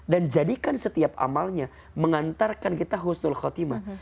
dan jadikan setiap amalnya mengantarkan kita khusnil khawatimah